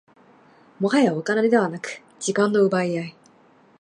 もはやお金ではなく時間の奪い合い